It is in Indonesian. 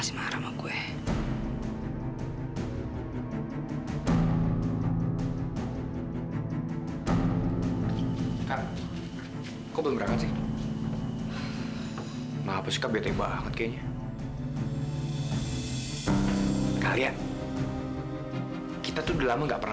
sampai jumpa di video selanjutnya